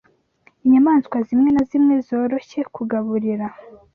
inyamanswa zimwe na zimwe zoroshye kugaburira